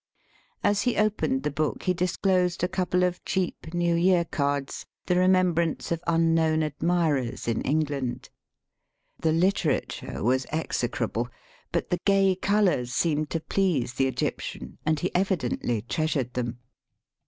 As he opened the book he disclosed a couple of cheap New Year cards, the remembrance of unknown admirers in England. The litera Digitized by VjOOQIC 164 EAST BY WEST. ture was execrable, but the gay colours seemed to please the Egyptian, and he evidently trea sured them.